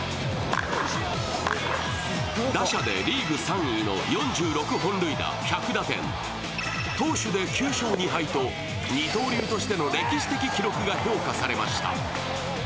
打者でリーグ３位の４６本塁打１００打点、投手で９勝２敗と、二刀流としての歴史的記録が評価されました。